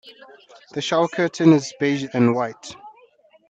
The shower curtain is beige and white.